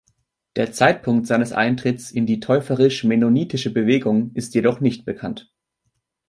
Der Zeitpunkt seines Eintritts in die täuferisch-mennonitische Bewegung ist jedoch nicht bekannt.